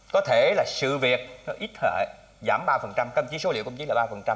có thể là sự việc nó ít hệ giảm ba căm chí số liệu căm chí là ba